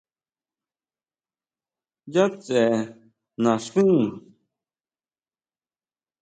¿Ya tsʼe naxín?